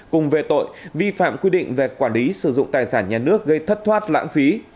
cùng về tội vi phạm quy định về quản lý sử dụng tài sản nhà nước gây thất thoát lãng phí